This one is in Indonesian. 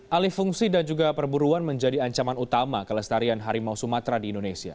alih fungsi dan juga perburuan menjadi ancaman utama kelestarian harimau sumatera di indonesia